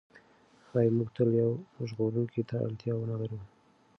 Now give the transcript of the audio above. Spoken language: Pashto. ښایي موږ تل یو ژغورونکي ته اړتیا ونه لرو.